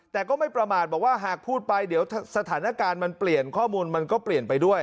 แต่ก็ไม่ประมาทบอกว่าหากพูดไปเดี๋ยวสถานการณ์มันเปลี่ยนข้อมูลมันก็เปลี่ยนไปด้วย